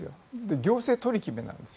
行政取り決めなんですよ。